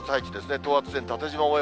等圧線縦じま模様。